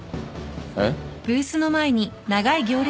えっ？